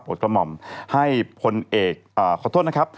กระหม่อมให้พลเอกขอโทษนะครับ